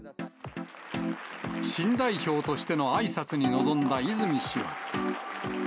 新代表としてのあいさつに臨んだ泉氏は。